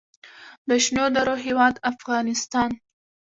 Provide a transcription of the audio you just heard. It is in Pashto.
د شنو درو هیواد افغانستان.